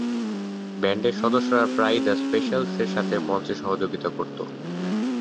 ব্যান্ডের সদস্যরা প্রায়ই দ্য স্পেশালস এর সাথে মঞ্চে সহযোগিতা করত।